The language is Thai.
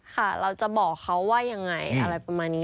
ค่ะเราจะบอกเขาว่ายังไงอะไรประมาณนี้